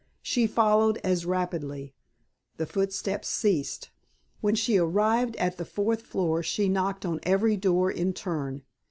She followed as rapidly. The footsteps ceased. When she arrived at the fourth floor she knocked on every door in turn.